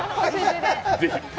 ぜひ。